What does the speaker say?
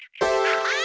ああ！